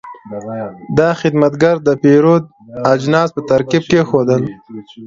دا خدمتګر د پیرود اجناس په ترتیب کېښودل.